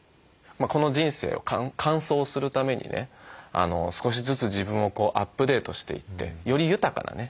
この人生を完走するためにね少しずつ自分をアップデートしていってより豊かなね